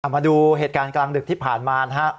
มาดูเหตุการณ์กลางดึกที่ผ่านมานะครับ